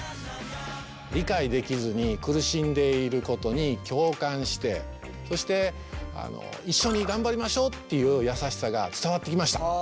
理解できずに苦しんでいることに共感してそして一緒に頑張りましょうっていう優しさが伝わってきました。